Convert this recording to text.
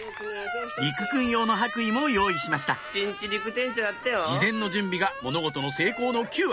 莉来くん用の白衣も用意しました「事前の準備が物事の成功の９割」